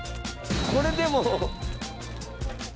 これでも。